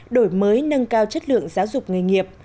đổi mới nâng cao chất lượng giáo dục nghề nghiệp